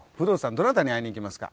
どなたに会いに行きますか？